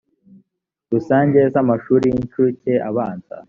rusange z amashuri y incuke abanza